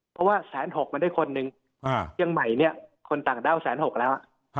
เพราะว่า๑๐๖มันได้คนหนึ่งว่าเมื่อกี้คนต่างด้าว๑๐๖แล้ว